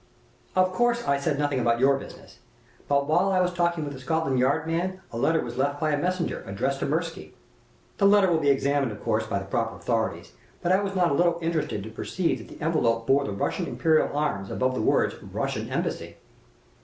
"Of course I said nothing about your business; but, while I was talking with the Scotland Yard man, a letter was left by a messenger, addressed to Mirsky. The letter will be examined, of course, by the proper authorities, but I was not a little interested to perceive that the envelope bore the Russian imperial arms above the words 'Russian Embassy.'